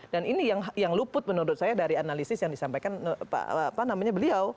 dan ini yang luput menurut saya dari analisis yang disampaikan namanya beliau